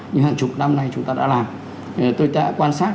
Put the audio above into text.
như chúng ta đã làm tôi đã quan sát